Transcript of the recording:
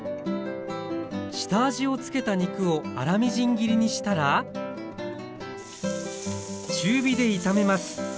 下味をつけた肉を粗みじん切りにしたら中火で炒めます。